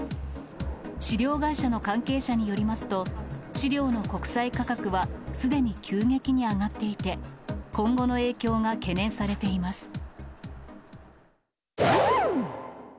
飼料会社の関係者によりますと、飼料の国際価格はすでに急激に上がっていて、今後の影響が懸念されています。